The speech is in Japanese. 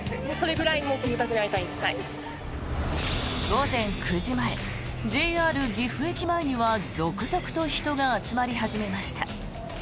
午前９時前、ＪＲ岐阜駅前には続々と人が集まり始めました。